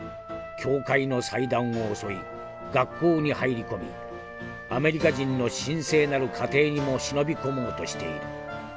教会の祭壇を襲い学校に入り込みアメリカ人の神聖なる家庭にも忍び込もうとしている。